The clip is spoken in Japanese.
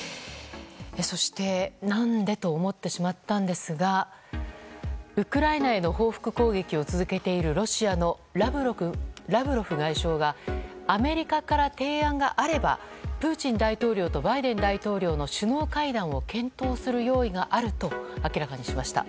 そして何でと思ってしまったんですがウクライナへの報復攻撃を続けている、ロシアのラブロフ外相がアメリカから提案があればプーチン大統領とバイデン大統領の首脳会談を検討する用意があると明らかにしました。